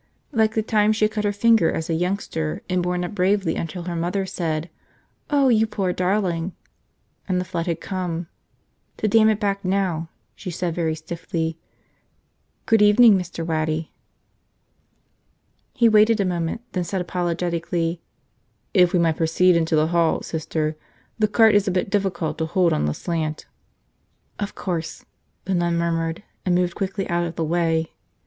Like the time she had cut her finger as a youngster and borne up bravely until her mother said, "Oh, you poor darling!" and the flood had come. To dam it back now, she said very stiffly, "Good evening, Mr. Waddy." He waited a moment, then said apologetically, "If we might proceed into the hall, Sister – the cart is a bit difficult to hold on the slant." "Of course," the nun murmured and moved quickly out of the way.